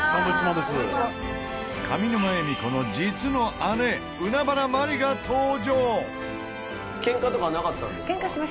上沼恵美子の実の姉海原万里が登場！